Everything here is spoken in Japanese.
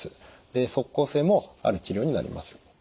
で即効性もある治療になります。